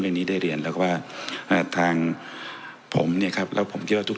ก็คือไปร้องต่อสารปกครองกลาง